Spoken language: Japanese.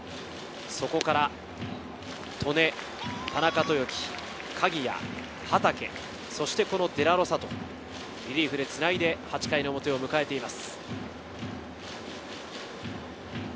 そこから戸根、田中豊樹、鍵谷、畠、そしてこのデラロサとリリーフでつないで８回の表を迎えています。